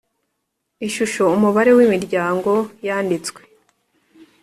Ishusho Umubare w imiryango yanditswe